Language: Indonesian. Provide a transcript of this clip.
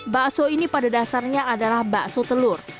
bakso ini pada dasarnya adalah bakso telur